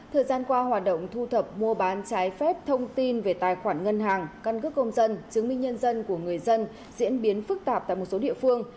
thời gian qua hoạt động thu thập mua bán trái phép thông tin về tài khoản ngân hàng căn cước công dân chứng minh nhân dân của người dân diễn biến phức tạp tại một số địa phương